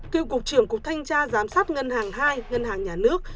cựu cục trưởng cục thanh tra giám sát ngân hàng hai ngân hàng nhà nước